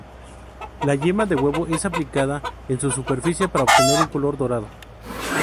La yema de huevo es aplicada en su superficie para obtener un color dorado.